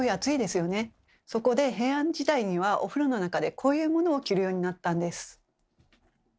そこで平安時代にはお風呂の中でこういうものを着るようになったんです。